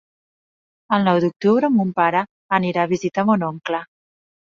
El nou d'octubre mon pare anirà a visitar mon oncle.